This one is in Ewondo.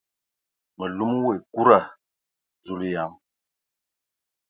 Mə lum wa ekuda ! Zulǝyan!